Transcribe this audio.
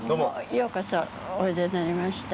ようこそおいでになりました。